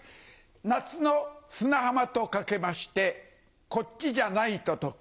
夏の砂浜と掛けまして「こっちじゃない」と解く。